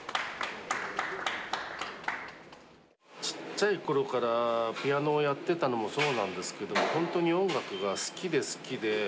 ちっちゃい頃からピアノをやってたのもそうなんですけど本当に音楽が好きで好きで。